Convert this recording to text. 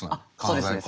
あそうです。